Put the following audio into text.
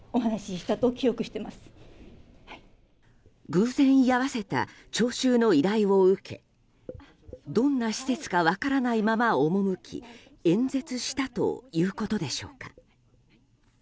偶然居合わせた聴衆の依頼を受けどんな施設か分からないまま赴き演説したということでしょうか。